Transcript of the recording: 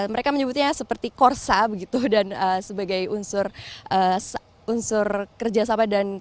mereka menyebutnya seperti korsa begitu dan sebagai unsur kerja sama dan tersebut